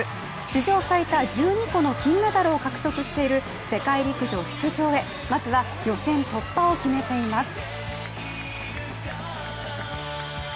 史上最多１２個の金メダルを獲得している世界陸上出場へまずは予選突破を決めています。